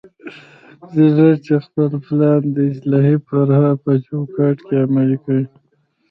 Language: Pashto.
روزولټ خپل پلان د اصلاح فرمان په چوکاټ کې عملي کړ.